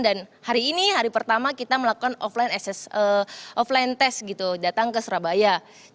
dan hari ini hari pertama kita melakukan offline test gitu datang ke surabaya